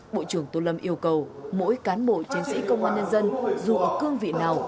bộ trưởng tô lâm yêu cầu mỗi cán bộ chiến sĩ công an nhân dân dù ở cương vị nào